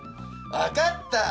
わかった！